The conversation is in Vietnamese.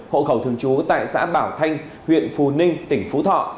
hội khẩu thường chú tại xã bảo thanh huyện phù ninh tỉnh phú thọ